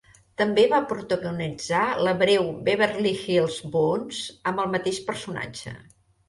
També va protagonitzar la breu "Beverly Hills Buntz" amb el mateix personatge.